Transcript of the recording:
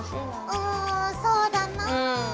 うんそうだなぁ。